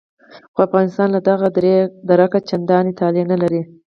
خو افغانستان له دغه درکه چندانې طالع نه لري.